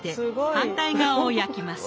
反対側を焼きます。